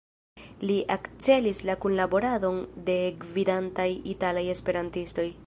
Li akcelis la kunlaboradon de gvidantaj italaj Esperantistoj.